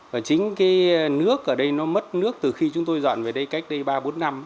và chính cái nước ở đây nó mất nước từ khi chúng tôi dọn về đây cách đây ba bốn năm